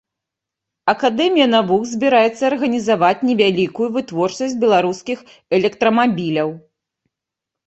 Акадэмія навук збіраецца арганізаваць невялікую вытворчасць беларускіх электрамабіляў.